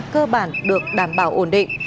cơ bản được đảm bảo ổn định